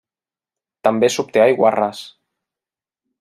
També s'obté aiguarràs.